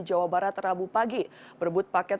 jawa barat rabu pagi berebut paket